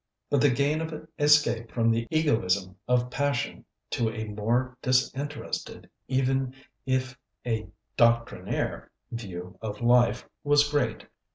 But the gain of escape from the egoism of passion to a more disinterested, even if a doctrinaire, view of life was great.